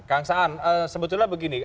kang san sebetulnya begini